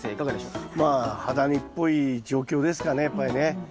まあハダニっぽい状況ですかねやっぱりね。